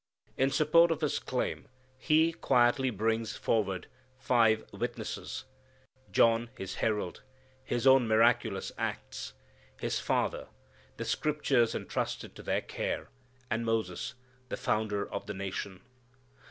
In support of His claim He quietly brings forward five witnesses, John His herald, His own miraculous acts, His Father, the Scriptures entrusted to their care, and Moses, the founder of the nation.